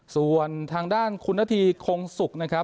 ส่วนทางด้านคุณนาธีคงสุกนะครับ